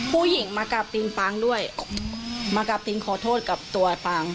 ผู้หญิงมากราบตินปางด้วยมากราบตินขอโทษกับตัวปาง